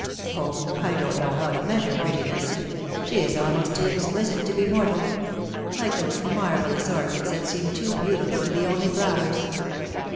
Oh, I don't know how to measure prettiness. She is almost too exquisite to be mortal — like those marvellous orchids that seem too beauti ful to be only flowers."